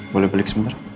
boleh balik sebentar